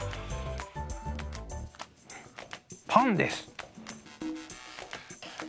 パンです。